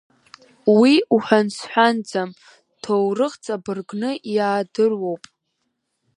Уи уҳәан-сҳәанӡам, ҭоурых ҵабыргны иаадыруоуп.